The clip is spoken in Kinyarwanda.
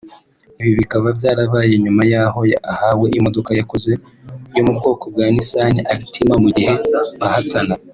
Ibi bikaba byarabaye nyuma y’aho ahawe imodoka yakoze yo mu bwoko bwa Nissan Altima mu gihe bahatana